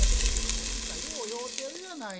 「あんたよう酔うてるやないの。